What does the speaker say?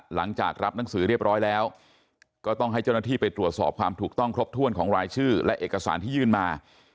หลังจากรับหนังสือเรียบร้อยแล้วก็ต้องให้เจ้าหน้าที่ไปตรวจสอบความถูกต้องครบถ้วนของรายชื่อและเอกสารที่ยื่นมา